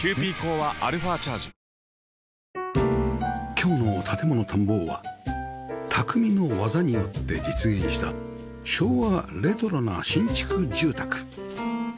今日の『建もの探訪』は匠の技によって実現した昭和レトロな新築住宅